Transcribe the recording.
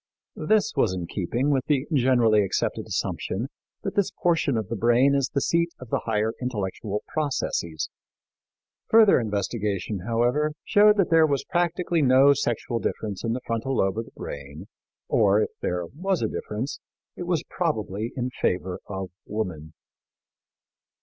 This was in keeping with the generally accepted assumption that this portion of the brain is the seat of the higher intellectual processes. Further investigation, however, showed that there was practically no sexual difference in the frontal lobe of the brain, or, if there was a difference, it was probably in favor of woman.